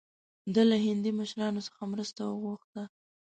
ده له هندي مشرانو څخه مرسته وغوښته.